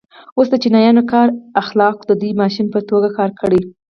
اوس د چینایانو کاري اخلاقو د ودې ماشین په توګه کار کړی.